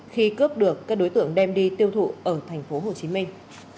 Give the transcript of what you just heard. khi cướp được các đối tượng đem đi tiêu thụ ở thành phố hồ chí minh